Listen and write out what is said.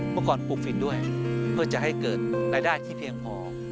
เมื่อก่อนปลูกฝิ่นด้วยเพื่อจะให้เกิดรายได้ที่เพียงพอ